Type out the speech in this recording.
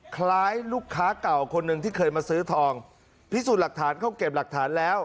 คล้ายลูกค้าเก่าคนหนึ่งที่เคยมาซื้อทองพิสูจน์หลักฐานเข้าเก็บหลักฐานแล้ว